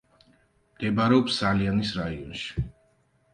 მდებარეობს სალიანის რაიონში.